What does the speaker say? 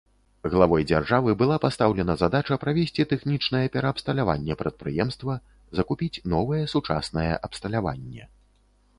Главой дзяржавы была пастаўлена задача правесці тэхнічнае пераабсталяванне прадпрыемства, закупіць новае сучаснае абсталяванне.